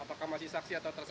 apakah masih saksi atau tersangka